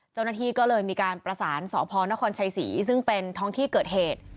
เจ้าหน้าที่ก็เลยมีการประสานสพนครชัยศรีซึ่งเป็นท้องที่เกิดเหตุ